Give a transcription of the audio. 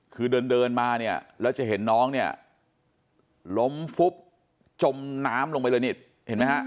คือเดินมาเนี่ยแล้วจะเห็นน้องเนี่ยล้มฟุบจมน้ำลงไปเลยนี่เห็นไหมฮะ